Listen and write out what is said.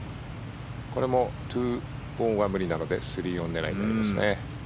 これも２オンは無理なので３オン狙いになりますね。